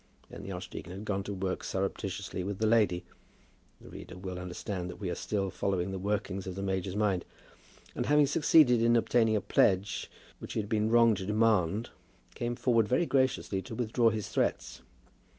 Then the archdeacon had gone to work surreptitiously with the lady, the reader will understand that we are still following the workings of the major's mind, and having succeeded in obtaining a pledge which he had been wrong to demand, came forward very graciously to withdraw his threats.